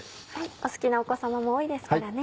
お好きなお子さまも多いですからね。